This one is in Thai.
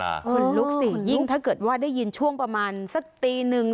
คนลุกสิยิ่งถ้าเกิดว่าได้ยินช่วงประมาณสักตีหนึ่ง